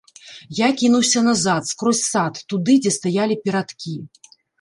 Я кінуўся назад, скрозь сад, туды, дзе стаялі перадкі.